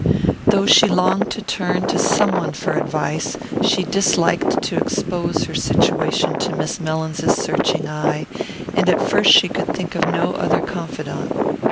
Though she longed to turn to some one for advice she disliked to expose her situation to Miss Mellins's searching eye, and at first she could think of no other confidant.